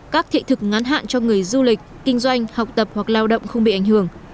các thị thực ngắn hạn cho người du lịch kinh doanh học tập hoặc lao động không bị ảnh hưởng